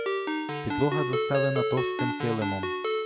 Підлога застелена товстим килимом.